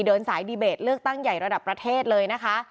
เดินสายดีเบตเลือกตั้งใหญ่ระดับประเทศเลยนะคะ